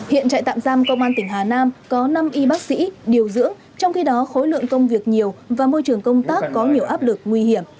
hiện trại tạm giam công an tỉnh hà nam có năm y bác sĩ điều dưỡng trong khi đó khối lượng công việc nhiều và môi trường công tác có nhiều áp lực nguy hiểm